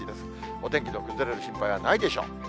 お天気の崩れる心配はないでしょう。